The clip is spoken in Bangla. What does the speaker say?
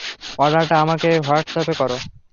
অর্ডারটা আমাকে হোয়াটসএ্যাপ করো।